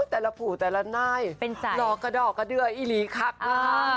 แต่ละผู้แต่ละหน้ายเป็นใจหลอกกระดอกกระเดือยอีหลีคักอ่า